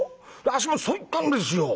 あっしもそう言ったんですよ。